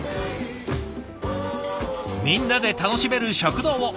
みんなで楽しめる食堂を。